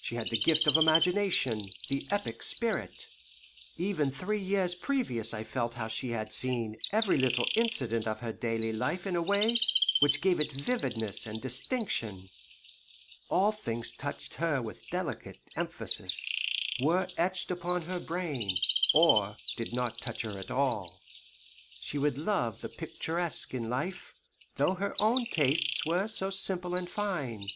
She had the gift of imagination, the epic spirit. Even three years previous I felt how she had seen every little incident of her daily life in a way which gave it vividness and distinction. All things touched her with delicate emphasis were etched upon her brain or did not touch her at all. She would love the picturesque in life, though her own tastes were so simple and fine.